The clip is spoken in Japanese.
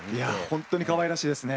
ほんとにかわいらしいですね。